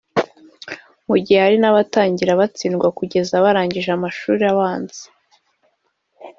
mu gihe hari n’abatangira batsindwa kugeza barangije amashuri abanza…